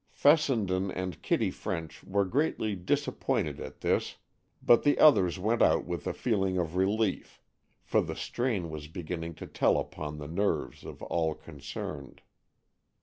Fessenden and Kitty French were greatly disappointed at this, but the others went out with a feeling of relief, for the strain was beginning to tell upon the nerves of all concerned.